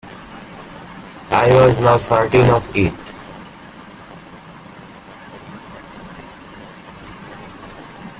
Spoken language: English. I was now certain of it.